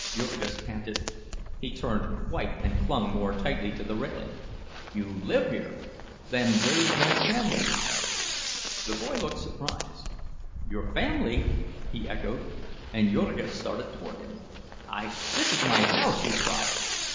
Jurgis panted. He turned white and clung more tightly to the railing. "You live here! Then where's my family?" The boy looked surprised. "Your family!" he echoed. And Jurgis started toward him. "I—this is my house!" he cried.